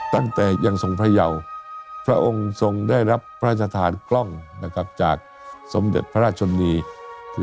ตั้งแต่ยังทรงพระเยาพระองค์ทรงได้รับพระราชทานกล้องนะครับจากสมเด็จพระราชนี